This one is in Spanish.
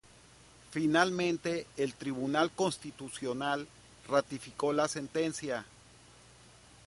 Finalmente el Tribunal Constitucional ratificó la sentencia.